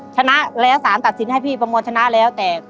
ชนะแล้วสารตัดสินให้พี่ประมวลชนะแล้วแต่